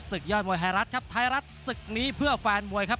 ยอดมวยไทยรัฐครับไทยรัฐศึกนี้เพื่อแฟนมวยครับ